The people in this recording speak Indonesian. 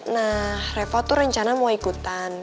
nah revo tuh rencana mau ikutan